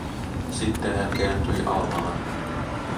Sitten hän kääntyi Almaan.